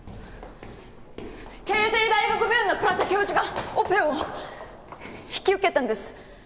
慶西大学病院の倉田教授がオペを引き受けたんです。